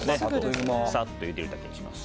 サッとゆでるだけにします。